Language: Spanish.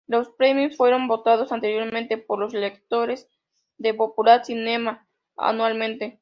Los premios fueron votados anteriormente por los lectores de "Popular Cinema" anualmente.